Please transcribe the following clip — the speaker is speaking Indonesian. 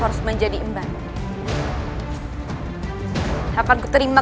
bagaimana temanmu membuat awal anakru ludih alicia